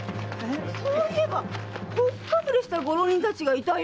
そういえばほっかむりしたご浪人たちがいたよ。